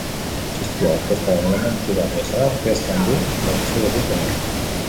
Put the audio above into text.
Txistua orkestraren elementu bat bezala aurkezten du bertsio berritu honek.